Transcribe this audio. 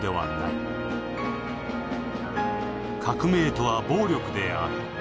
革命とは暴力である。